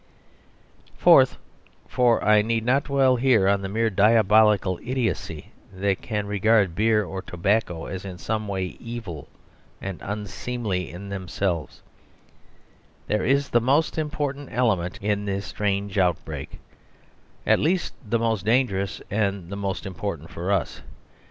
Fourth (for I need not dwell here on the mere diabolical idiocy that can regard beer or tobacco as in some way evil and unseemly in themselves), there is the most important element in this strange outbreak; at least, the most dangerous and the most important for us.